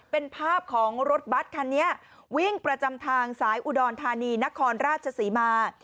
เป็นภาพของรถบัตรคันนี้วิ่งประจำทางสายอุดรธานีนครราชศรีมา